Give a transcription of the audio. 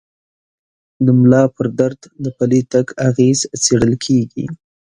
د ملا پر درد د پلي تګ اغېز څېړل کېږي.